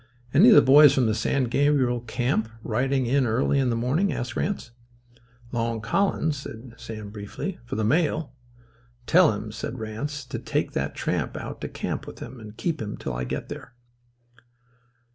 "Any of the boys from the San Gabriel camp riding in early in the morning?" asked Ranse. "Long Collins," said Sam briefly. "For the mail." "Tell him," said Ranse, "to take that tramp out to camp with him and keep him till I get there."